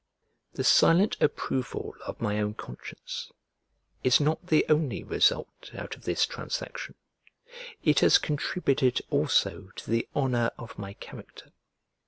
The silent approval of my own conscience is not the only result out of this transaction; it has contributed also to the honour of my character.